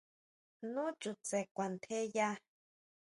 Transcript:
Nu chutse kuantjeya.